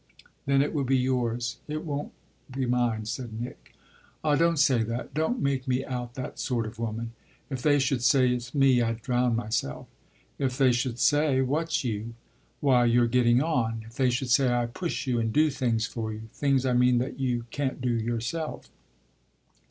"Then it will be yours it won't be mine," said Nick. "Ah don't say that don't make me out that sort of woman! If they should say it's me I'd drown myself." "If they should say what's you?" "Why your getting on. If they should say I push you and do things for you. Things I mean that you can't do yourself."